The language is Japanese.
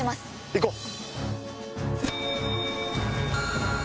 行こう。